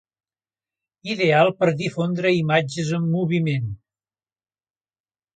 Ideal per difondre imatges en moviment.